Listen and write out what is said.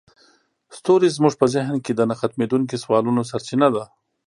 ستوري زموږ په ذهن کې د نه ختمیدونکي سوالونو سرچینه ده.